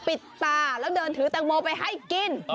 มีหลากหลายการแข่งขันคุณผู้ชมอย่างที่บอกอันนี้ปาเป้าเห็นมั้ยก็ม